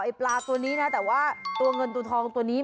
ปลาตัวนี้นะแต่ว่าตัวเงินตัวทองตัวนี้